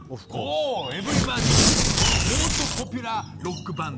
エブリバディーモーストポピュラーロックバンド。